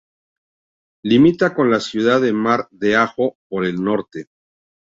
Limita con la ciudad de Mar de Ajó por el norte.